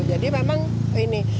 jadi memang ini